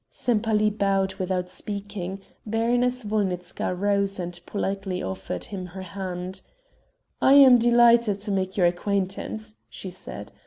Sempaly bowed without speaking; Baroness Wolnitzka rose and politely offered him her hand: "I am delighted to make your acquaintance," she said.